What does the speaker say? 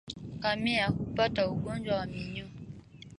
Ngamia hupata ugonjwa wa minyoo